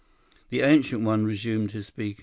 The Ancient One resumed his speaking.